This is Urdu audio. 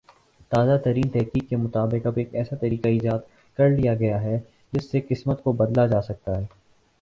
تازہ ترین تحقیق کے مطابق اب ایک ایسا طریقہ ایجاد کر لیا گیا ہے جس سے قسمت کو بدلہ جاسکتا ہے